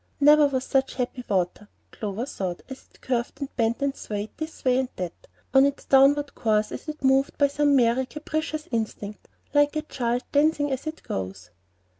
Never was such happy water, Clover thought, as it curved and bent and swayed this way and that on its downward course as if moved by some merry, capricious instinct, like a child dancing as it goes.